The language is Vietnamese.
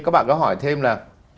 các bạn có hỏi thêm là